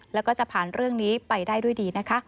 แล้วก็จะผ่านเรื่องนี้ไปได้ด้วยดีนะคะ